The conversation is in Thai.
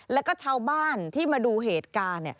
แล้วก็ชาวบ้านที่มาดูเหตุการณ์